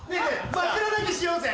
枕投げしようぜ。